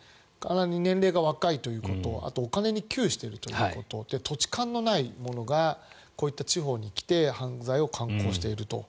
年齢が若いということお金に窮しているということ土地勘のない者がこういった地方に来て犯罪を敢行していると。